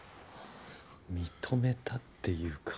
認めたっていうか。